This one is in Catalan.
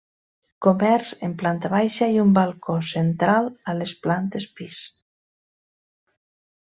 Comerç en planta baixa i un balcó central a les plantes pis.